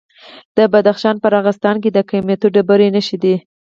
د بدخشان په راغستان کې د قیمتي ډبرو نښې دي.